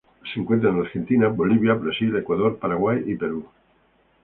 Se encuentra en Argentina, Bolivia, Brasil, Ecuador, Paraguay, y Perú.